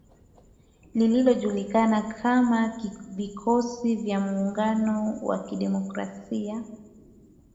Linalojulikana kama Vikosi vya Muungano wa Kidemokrasia.